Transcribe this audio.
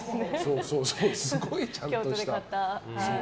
すごいちゃんとした。